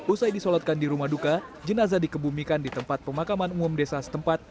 usai disolatkan di rumah duka jenazah dikebumikan di tempat pemakaman umum desa setempat